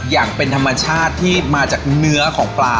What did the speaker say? อย่างเป็นธรรมชาติที่มาจากเนื้อของปลา